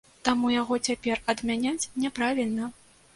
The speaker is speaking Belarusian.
Таму яго цяпер адмяняць няправільна.